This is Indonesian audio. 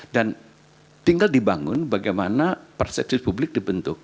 dan tinggal dibangun bagaimana perspektif publik dibentuk